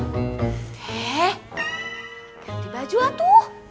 ganti baju lah tuh